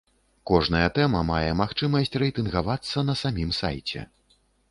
Кожная тэма мае магчымасць рэйтынгавацца на самім сайце.